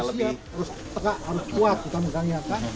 harus tegak harus kuat kita mengganggarkan